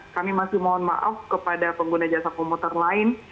kami masih mohon maaf kepada pengguna jasa komuter lain